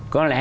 có lẽ là